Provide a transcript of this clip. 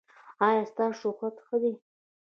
ایا ستاسو شهرت ښه دی؟